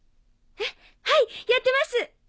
えっはいやってます！